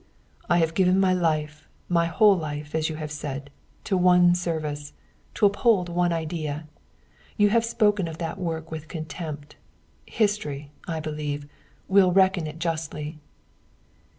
"I have given my life, my whole life, as you have said, to one service to uphold one idea. You have spoken of that work with contempt. History, I believe, will reckon it justly."